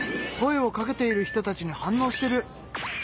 声をかけている人たちに反応してる！